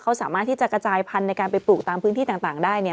เขาสามารถที่จะกระจายพันธุ์ในการไปปลูกตามพื้นที่ต่างได้เนี่ย